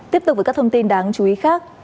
tiếp tục với các thông tin đáng chú ý khác